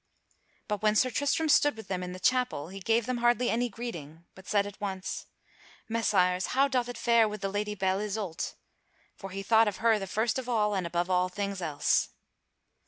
But when Sir Tristram stood with them in the chapel, he gave them hardly any greeting, but said at once: "Messires, how doth it fare with the Lady Belle Isoult?" For he thought of her the first of all and above all things else.